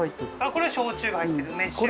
これは焼酎が入ってる梅酒